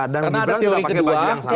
dan di belakang dia pakai baju yang sama